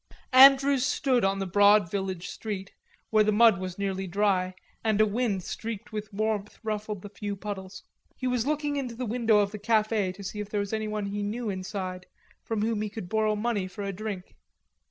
Andrews stood on the broad village street, where the mud was nearly dry, and a wind streaked with warmth ruffled the few puddles; he was looking into the window of the cafe to see if there was anyone he knew inside from whom he could borrow money for a drink.